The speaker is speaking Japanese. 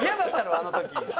あの時。